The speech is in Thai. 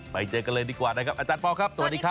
ไปเจอกันเลยดีกว่านะครับอาจารย์ปอลครับสวัสดีครับ